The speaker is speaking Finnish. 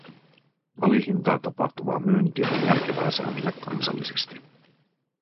Alihintaan tapahtuvaa myyntiä on järkevää säännellä kansallisesti.